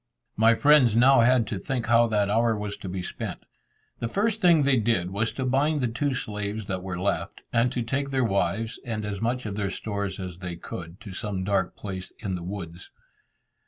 My friends now had to think how that hour was to be spent. The first thing they did was to bind the two slaves that were left, and to take their wives, and as much of their stores as they could, to some dark place in the woods.